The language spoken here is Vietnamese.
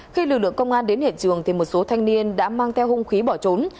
khi lực lượng công an đến hiện trường một số thanh niên đã mang theo hung khí bỏ trốn